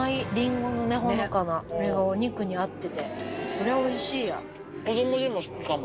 こりゃおいしいや。